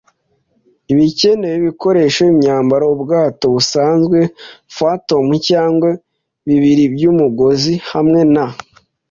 ibikenewe, ibikoresho, imyambaro, ubwato busanzwe, fathom cyangwa bibiri byumugozi, hamwe na